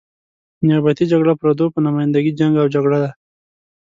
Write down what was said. نیابتي جګړه پردو په نماینده ګي جنګ او جګړه ده.